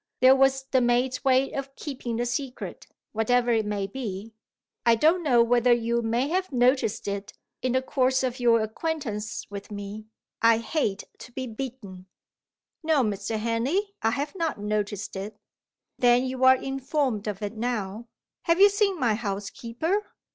There was the maid's way of keeping the secret, whatever it may be! I don't know whether you may have noticed it, in the course of your acquaintance with me I hate to be beaten." "No, Mr. Henley, I have not noticed it." "Then you are informed of it now. Have you seen my housekeeper?"